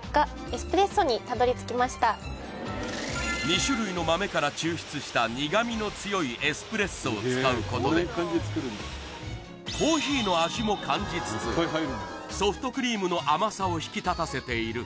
２種類の豆から抽出した苦味の強いエスプレッソを使うことでコーヒーの味も感じつつソフトクリームの甘さを引き立たせている